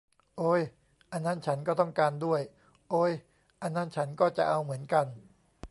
โอ๊ย อันนั้นฉันก็ต้องการด้วย โอ๊ย อันนั้นฉันก็จะเอาเหมือนกัน